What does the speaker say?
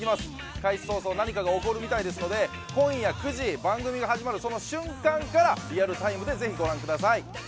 開始早々何かが起こるみたいですので、今夜９時、番組が始まるその瞬間からリアルタイムで是非ご覧ください。